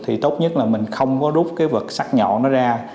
thì tốt nhất là mình không có đút cái vật sắt nhọn nó ra